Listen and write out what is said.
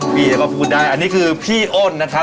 พี่ก็พูดได้อันนี้คือพี่อ้นนะครับ